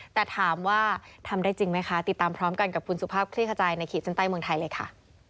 แต่ถามว่าทำได้จริงไหมคะติดตามพร้อมกันกับคุณสุภาพคลี่ขจายในขีดเส้นใต้เมืองไทยเลยค่ะ